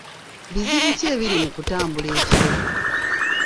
Bizibu ki ebiri mu kutambula ekiro?